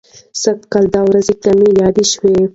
سږ کال دا ورځ کمه یاده شوه.